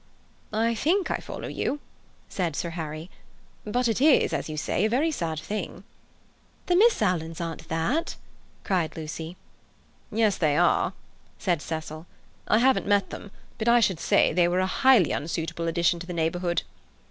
"I think I follow you," said Sir Harry; "but it is, as you say, a very sad thing." "The Misses Alan aren't that!" cried Lucy. "Yes, they are," said Cecil. "I haven't met them but I should say they were a highly unsuitable addition to the neighbourhood."